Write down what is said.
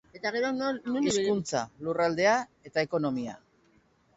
Hizkuntza, lurraldea eta ekonomia.